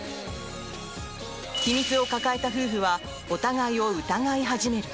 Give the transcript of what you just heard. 秘密を抱えた夫婦はお互いを疑い始める。